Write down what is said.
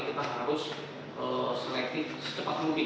kita harus selektif secepat mungkin